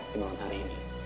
di malam hari ini